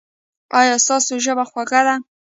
ایا ستاسو ژبه خوږه ده؟